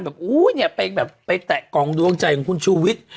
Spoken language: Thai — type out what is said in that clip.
แบบอู้ยเป็นแบบไปแตะกองดวงใจของคุณชุวิต